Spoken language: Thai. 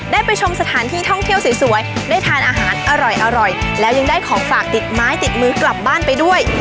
ได้ไปชมสถานที่ท่องเที่ยวสวยได้ทานอาหารอร่อยแล้วยังได้ของฝากติดไม้ติดมือกลับบ้านไปด้วย